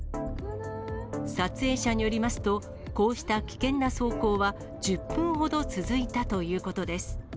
撮影者によりますと、こうした危険な走行は１０分ほど続いたということです。